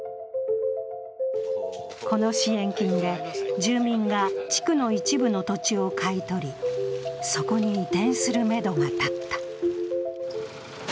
この支援金で住民が地区の一部の土地を買い取り、そこに移転するめどが立った。